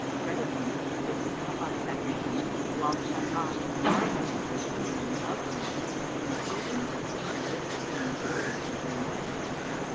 Presently, they came up out of that basin, whilst Hasan marvelled at their beauty and loveliness and the tokens of inner gifts in the elegance of their movements.